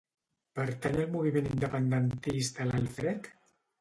Pertany al moviment independentista l'Alfred?